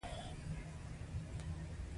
هېڅوک خپل کار د ټولنې له اړتیا سره سم نه برابروي